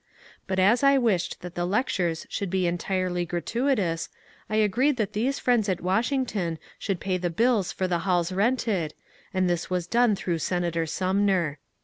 But as I wished that the lectures should be entirely gratuitous, I agreed that these friends at Washington should pay the bills for the halls rented, and this was done through Senator Sumner.